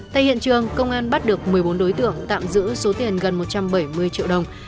tại hiện trường công an bắt được một mươi bốn đối tượng tạm giữ số tiền gần một trăm bảy mươi triệu đồng